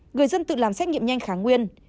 người dân tự làm xét nghiệm nhanh kháng nguyên